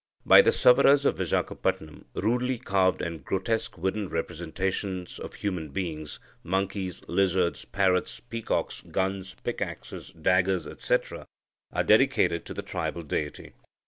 By the Savaras of Vizagapatam, rudely carved and grotesque wooden representations of human beings, monkeys, lizards, parrots, peacocks, guns, pickaxes, daggers, etc., are dedicated to the tribal deity.